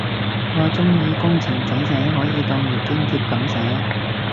我鍾意工程仔仔可以當月經帖噉寫